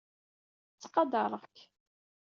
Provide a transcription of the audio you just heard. Ttqadaṛeɣ-k.